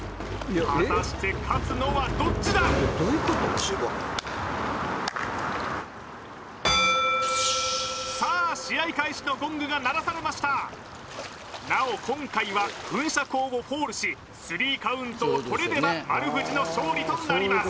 果たして勝つのはどっちださあ試合開始のゴングが鳴らされましたなお今回は噴射口をフォールし３カウントを取れれば丸藤の勝利となります